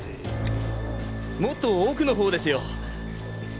もっと奥の方ですよ。